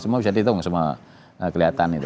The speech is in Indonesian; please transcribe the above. semua bisa dihitung semua kelihatan itu